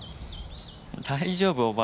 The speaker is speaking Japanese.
大丈夫？